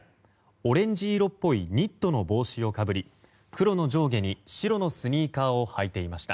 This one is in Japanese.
オレンジ色っぽいニットの帽子をかぶり黒の上下に白のスニーカーを履いていました。